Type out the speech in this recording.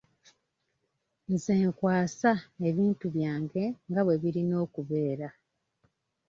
Nze nkwasa ebintu byange nga bwe birina okubeera.